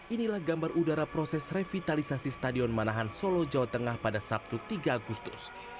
inilah gambar udara proses revitalisasi stadion manahan solo jawa tengah pada sabtu tiga agustus